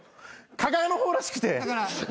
加賀の方らしくて。